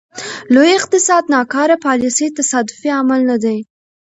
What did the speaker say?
لوی اقتصاد ناکاره پالیسۍ تصادفي عمل نه دی.